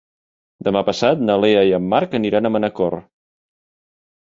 Demà passat na Lea i en Marc aniran a Manacor.